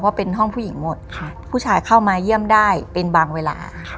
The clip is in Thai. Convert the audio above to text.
เป็นห้องผู้หญิงหมดผู้ชายเข้ามาเยี่ยมได้เป็นบางเวลา